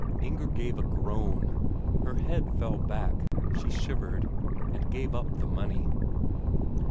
Inger gave a groan, her head fell back, she shivered, and gave up the money.